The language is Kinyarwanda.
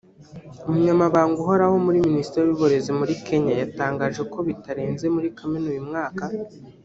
Umunyamabanga uhoraho muri Minisiteri y’Uburezi muri Kenya yatangaje ko bitarenze muri Kamena uyu mwaka